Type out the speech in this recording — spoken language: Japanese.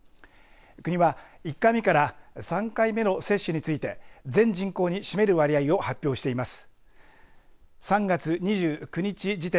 国は、１回目から３回目の接種について全人口に占める割合を発表しています。